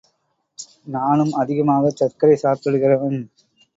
நானும் அதிகமாகச் சர்க்கரை சாப்பிடுகிறவன்.